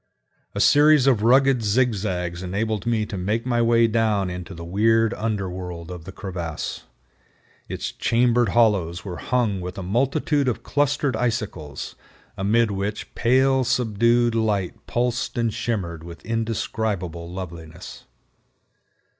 A series of rugged zigzags enabled me to make my way down into the weird under world of the crevasse. Its chambered hollows were hung with a multitude of clustered icicles, amid which pale, subdued light pulsed and shimmered with indescribable loveliness.